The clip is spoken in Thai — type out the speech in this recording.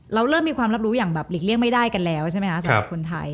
เราเริ่มมีความรับรู้อย่างแบบหลีกเลี่ยงไม่ได้กันแล้วใช่ไหมคะสำหรับคนไทย